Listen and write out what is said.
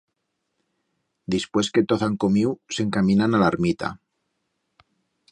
Dispués que toz han comiu s'encaminan a l'armita.